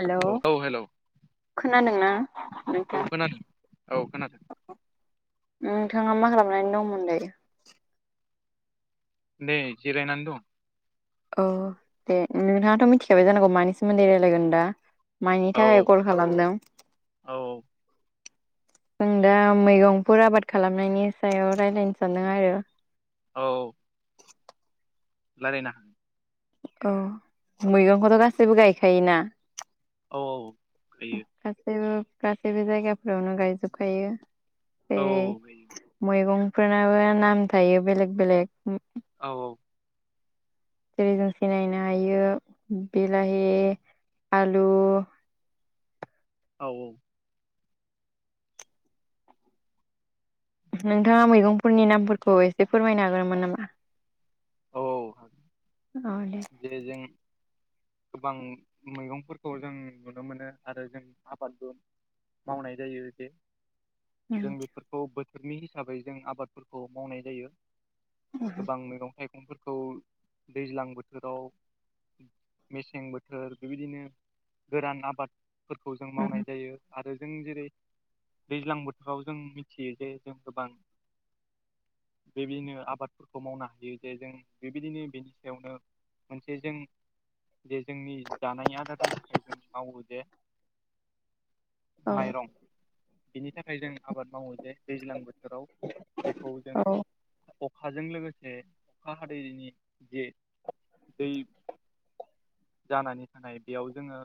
Hello औ औ hello खोनादोंना औ नोंथा? खोनादों औ खोनादों नोंथाङा मा खालामनानै दंमोनलै? दे जिरायनानै दं‌ औ दे नोंथाङाथ' मिथिखाबाय जानांगौ मानि सोमोन्दै रायजलायगोन दा माइनि औ थाखाय कल खालामदों औ आं दा मैगंफोर आबाद खालामनायनि सायाव रायलायनो सानदों आरो औ रायलायनो हा औ मैगंखौथ' गासैबो गायखायोना? औ हायो गासै गासैबो जायगाफोरावनो गायजोबखायो औ रै मैगंफोरनाबो नाम थायो बेलेग बेलेग औ औ जेरै जों सिनायनो हायो बिलाहि, आलु [inaudible] औ औ नोंथाङा मैगंफोरनि नामफोरखौ एसे फोरमायनो हागोन मोन नामा औ औ दे जे जों गोबां मैगंफोरखौ जों नुनो मोनो आरो जों आबादबो मावनाय जायो बे जों बेफोरखौ बोथोरनि हिसाबै जों आबादफोरखौ मावनाय जायो गोबां मैगं थाइगंफोरखौ दैज्लां बोथोराव मेसें बोथोर बेबायदिनो गोरान आबाद फोरखौ जों उम मावनाय जायो आरो आरो जों जेरै दैज्लां बोथोराव जों मिथियो जे जों गोबां बेबायदिनो आबादफोरखौ मावनो हायो जे जों बेबायदिनो बेनि सायावनो मोनसे जों जे जोंनि जानाय आदारनि थाखाय जों मावो जे [inaudible] माइरं बिनि थाखाय जों आबाद मावो दैज्लां बोथोराव बेखौ जों औ अखाजों लोगोसे अखा हादैनि जे दै जानानै थानाय बेयाव जोङो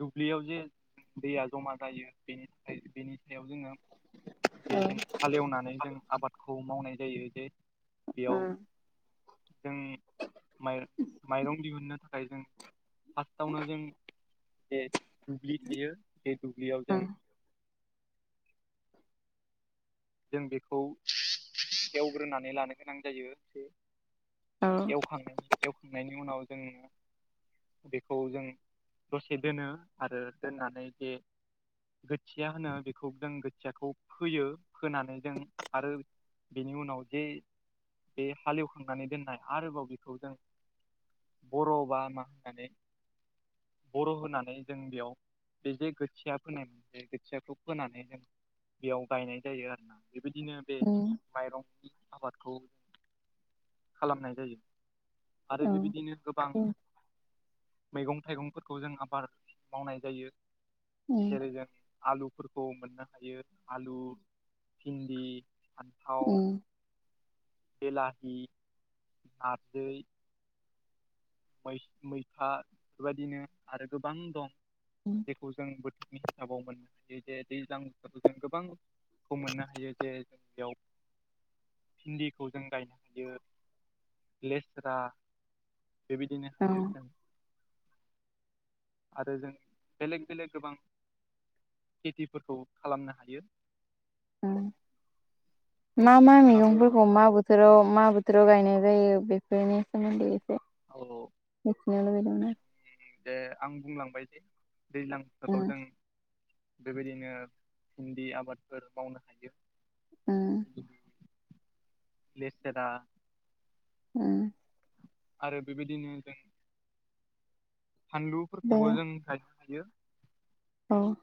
दुब्लियाव जे दैया जमा जायो बेनि थाखाय बेनि हायाव जोङो जे जों हालेवनानै जों आबादखौ मावनाय जायो जे उम बेयाव जों माइ माइरं दिहुननो थाखाय जों फार्स्टआवनो जों बे दुब्लि थायो बे दुब्लियाव जों औ जों बेखौ एवग्रोनानै लानो गोनां जायो एसे उम औ एवखां एवखांनायनि उनाव जोङो बेखौ जों दसे दोनो आरो दोननानै जे खोथिया होनो बेखौ जों खोथियाखौ फोयो फोनानै जों आरो बेनि उनाव जे बे हालेवखांनानै दोननाय आरोबाव बेखौ जों बर' बा मा होननानै बर' होनानै जों बेयाव बे जे खोथिया फोनायमोन बे खोथियाखौ फोनानै जों बेयाव गायनाय जायो आरोना बेबायदिनो बे माइरंनि आबाद खौ खालामनाय जायो आरो उम बेबायदिनो गोबां मैगं थाइगंफोरखौ जों आबाद मावनाय जायो जेरै जों आलु फोरखौ मोननो हायो आलु भिन्दि फान्थाव बेलाहि नारजै मैथा बेफोरबायदिनो आरो गोबां दं उम जेखौ जों बोथोरनि आबाव मोननो हायो जे दैज्लां बोथोरखौ जों गोबां खौ मोननो हायो जे जों बेयाव भिन्दिखौ जों गायनो हायो लेस्रा बेबायदिनो औ हायो जों आरो जों बेलेग बेलेग गोबां खेथिफोरखौ खालामनो हायो उम मा मा नोंथाङाबो मैगंफोरखौ मा बोथोराव मा बोथोराव गायनाय जायो बेफोरनि सोमोनदोयै औ मोथिनो लुगैदोंमोन आं जे आं बुंलांबायदि दैज्लां उम बोथोराव जों बेबादिनो भिन्दि आबादफोर मावनो हायो ओम लेस्रा उम आरो बेबायदिनो जों दे फानलुफोरखौबो जों गायनो हायो औ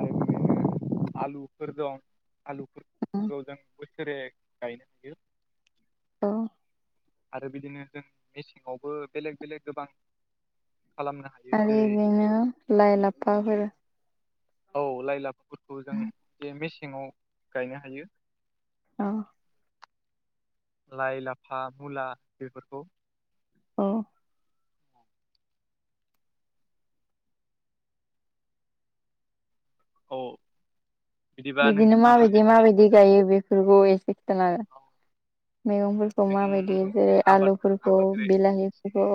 आरो बिदिनो आलुफोर दं उम आलुफोरखौ जों जेरै गायनो हायो ओम आरो बिदिनो जों मेसेंआवबो बेलेग बेलेग गोबां खालामनो हायो आरो जेरै इदिनो लाइ लाफाफोर औ लाइ लाफाफोरखौ जों बे मेसेआव गायनो हायो औ लाइ लाफा मुला बेफोरखौ औ औ बिदिबा बिदिनो नोंथाङाबो माबायदि एसे माबायदि औ गायो बेफोरखौ एसे खिथाना हो औ मैगंफोरखौ माबादि जों जेरै आबाद आलुफोरखौ जेरै बिलाहिफोरखौ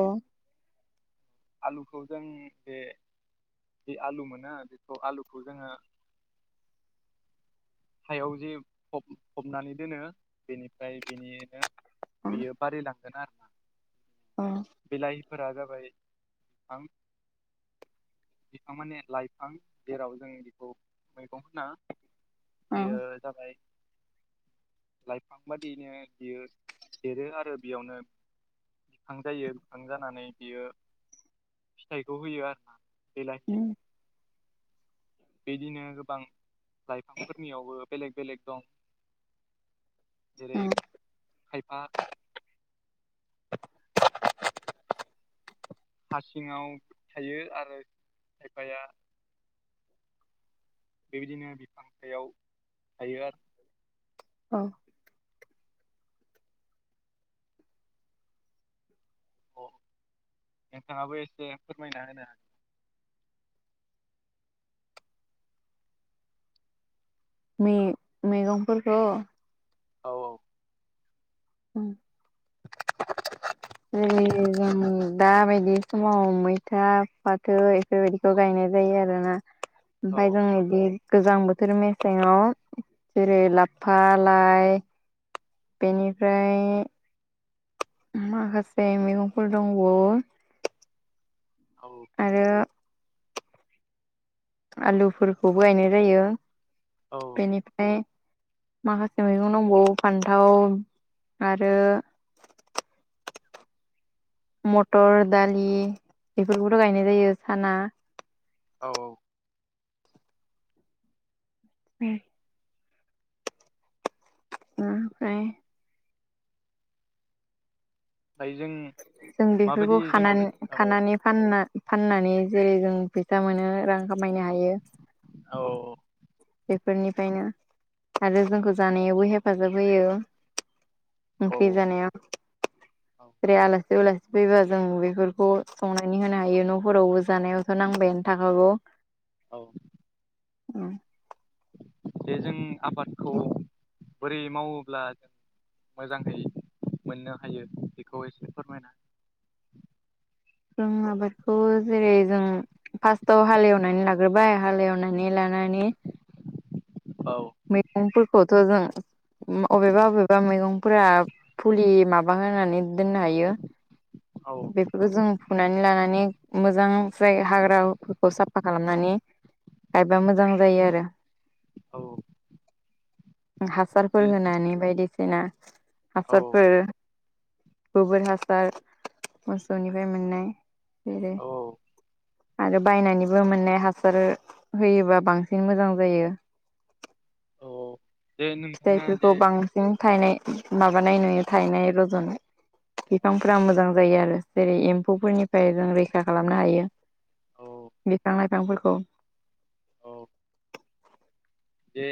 आलुखौ जों बे जे आलु मोनो बेखौ आलुखौ जोङो [inaudible] हायाव जे फबनानै दोनो बेनिफ्राय बेनिनो अ बियो बारायलांगोन आरो अ बेलाहिफोरा जाबाय बिफां बिफां माने लाइफां जेराव जों इखौ मैगं होना अ बियो जाबाय लाइफां बादियैनो बियो देरो आरो बेआवनो बिफां जायो बिफां जानानै बियो फिथाइखौ होयो आरो ना बिलाहिआ उम बेदिनो गोबां लाइफांफोरनिआवबो बेलेग बेलेग दं जेरै उम खायफा हा सिआव थायो आरो खायफाआ बेबादिनो बिफां सायाव थायो आरो ना औ अ नोंथांआबो एसे फोरमायना होनो हागोन मे मेगंफोरखौ औ औ उम जेरै जों दाबादि समाव मैथा फाथो इफोरबादिखौ गायनाय जायो आरोना औ आमफाय जों इदि गोजां बोथोर मेसेआव जेरै लाफा लाइ बेनिफ्राय माखासे मैगंफोर दंबावो। औ आरो आलुफोरखौबो गायनाय जायो। औ बेनिफ्राय माखासे मैगं दंबावो फान्थाव आरो मटर दालि बेफोरखौथ' गायनाय जायो साना औ औ बे ओमफ्राय ओमफ्राय जों जों बेफोरखौ माबायदि जों खानानै औ खानानै फाननो। फाननानै जेरै जों फैसा मोनो रां खामायनो हायो। औ बेफोरनिफ्रायनो आरो जोंखौ जानायावबो हेफाजाब होयो। औ ओंख्रि जानाय औ बे आलासि उलासि [inaudible] फैबा जों बेफोरखौ संनानै होनो हायो न'फोरावबो जानायावथ' नांबायानो थाखागौ औ उम जे जों आबादखौ बोरै मावोब्ला जों मोजाङै मोननो हायो बेखौ एसे फोरमायना जों आबादखौ जेरै जों फार्स्टाव हालेवनानै लाग्रोबाय हालेवनानै लानानै औ मैगं फोरखौथ' जों अबेबा अबेबा मैगंफोरा फुलि माबा होनानै दोननो हायो। औ बेफोरखौ जों फुनानै लानानै मोजां जाय हाग्राफोरखौ साफा खालामनानै गायबा मोजां जायो आरो। औ हासारफोर जे होनानै बायदि सिदिना औ हासारफोर गोबोर हासार मोसौनिफ्राय मोननाय बो औ [inaudible] आरो बायनानैबो मोननाय हासार होयोबा बांसिन मोजां जायो। औ औ जे नोंथाङा जे फिथाइखौ बांसिन थायनाय माबानाय नुयो थायनाय रज'नाय औ बिफांफोरा मोजां। जायो आरो जेरै एम्फौफोरनिफ्राय जों रैखा खालामनो हायो। औ बिफां लाइफांफोरखौ औ बे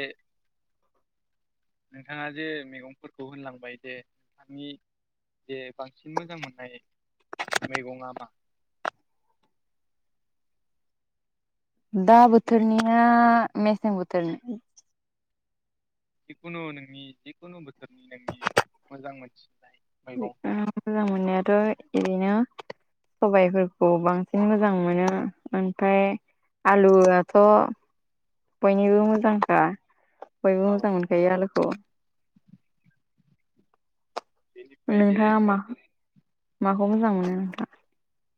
नोंथाङा जे मैगंफोरखौ होनलांबाय दे नोंथांनि जे बांसिन मोजां मोननाय मैगङा मा? दा बोथोरनिया मेसें बोथोरनि जिखुनु नोंनि जिखुनु बोथोरनि नोंनि मोजां मोनसि मोजां मोननायाथ' एरैनो सबायाइफोरखौ बांसिन मोजां मोनो ओमफ्राय आलुआथ' बयनिबो मोजांखा बयबो औ मोजां मोनखायो आलुखौ बेनिफ्राय जे नोंथाङा मा माखौ मोजां मोनो?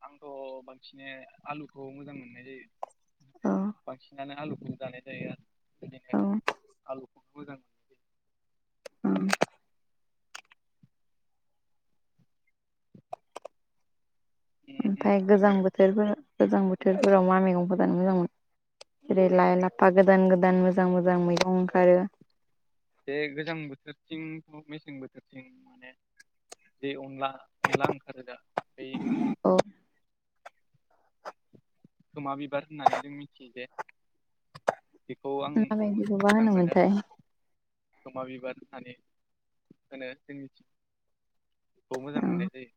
आंथ' बांसिनै आलुखौ मोजां मोननाय जायो। औ बांसिनानो आलुखौ जानाय जायो आरो औ बिदिनो आलुखौनो मोजां मोननाय जायो। जायो उम ओमफ्राय गोजां आरो बोथोरफोर गोजां बोथोरफोराव मा मैगंफोर जानो मोजां मोनो। जेरै लाइ औ लाफा गोदान गोदान मोजां मोजां मै औ बे गोजां बोथोरथिं मेसें बोथोरथिं माने जे अनला अनला ओंखारो दा? दैमा औ खोमा बिबार होननानै जों मिथियो जे बेखौ आं माबादिखौ होनो मोनथाय गोमा बिबार होननानै होनो जोंनिथिं खौ मोजां औ मोननाय जायो।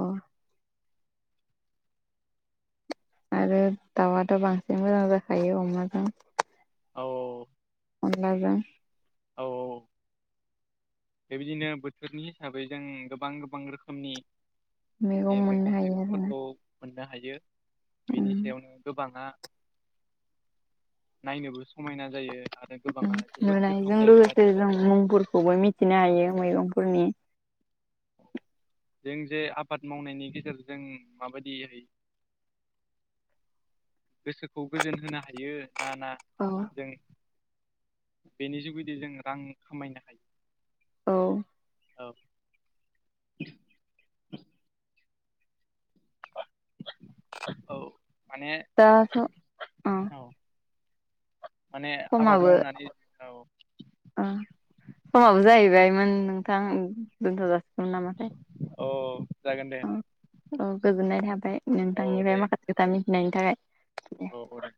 औ आरो दाउआथ' बांसिन मोजां जाखायो अमाजों औ अनलाजों औ बेबायदिनो बोथोरनि हिसाबै जों गोबां गोबां रोखोमनि मैगं जे मोननो हायो आरोना थाइगंफोरखौ मोननो हायो बेनि उम सायावनो गोबाङा नायनोबो समायना जायो आरो ओम गोबाङा जोबोद गोथाव नुनायजों जायो लोगोसे आरो जों मुंफोरखौबो मिथि थिनो हायो मैगंफोरनि जों जे आबाद मावनायनि गेजेरजों माबायदियै गोसोखौ गोजोन होनो हायो ना ना औ जों बेनि जुगैदि जों रां खामायनो हायो औ औ [inaudible] औ माने दाथ' ओं माने आबाद समाबो मावनानै औ ओ समाबो जाहैबायमोन नोंथां दोनथ' जासिगोन नामाथाय औ जागोन दे औ गोजोननाय थाबाय बाय नोंथांनिफ्राय माखासे खोथा मिथिनायनि थाखाय औ दे दे